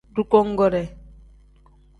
Dugongoore.